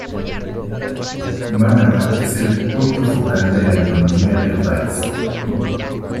Manama es el punto focal de la economía del país.